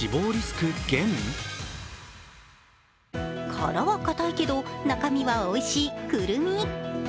殻は固いけど、中身はおいしいくるみ。